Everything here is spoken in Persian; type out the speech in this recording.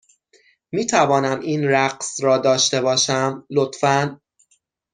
می توانم این رقص را داشته باشم، لطفا؟